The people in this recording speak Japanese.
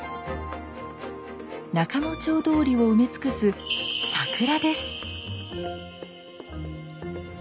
仲之町通りを埋め尽くす桜です。